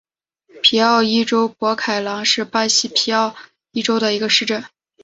皮奥伊州博凯朗是巴西皮奥伊州的一个市镇。